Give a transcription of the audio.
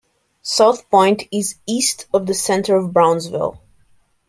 South Point is east of the center of Brownsville.